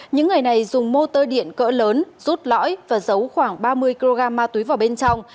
những ngày này dùng mô tơ điện cỡ lớn rút lõi và giấu khoảng ba mươi kg ma túy vào bên trong